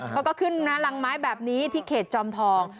เขาก็ขึ้นรังไม้แบบนี้ที่เขตจอมทอง